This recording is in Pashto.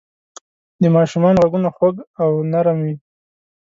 د ماشومانو ږغونه خوږ او نرم وي.